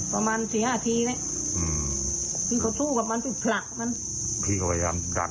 ประมาณสี่ห้าทีเลยอืมที่ก็สู้กับมันที่ผลักมัน